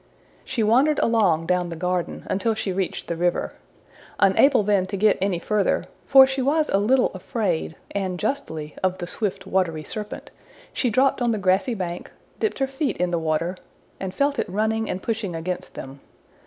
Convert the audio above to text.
She wandered along down the garden, until she reached the river. Unable then to get any further for she was a little afraid, and justly, of the swift watery serpent she dropped on the grassy bank, dipped her feet in the water, and felt it running and pushing against them.